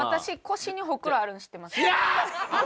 私腰にホクロあるの知ってます？